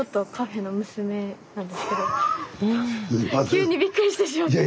急にびっくりしてしまって。